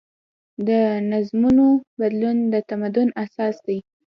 د نظمونو بدلون د تمدن اساس دی.